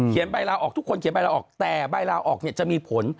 เขียนใบราวออกทุกคนเขียนใบราวออกแต่ใบราวออกเนี่ยจะมีผล